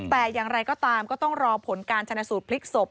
แต่อย่างไรก็ตามก็ต้องรอผลการชนะสูตรพลิกศพ